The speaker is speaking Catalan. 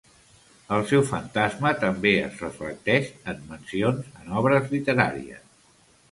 El seu fantasma també es reflecteix en mencions en obres literàries.